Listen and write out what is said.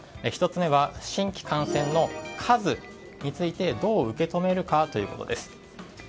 １つ目は新規感染の数についてどう受け止めるかということです。